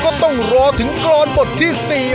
ก็ต้องรอถึงกรอนบทที่๔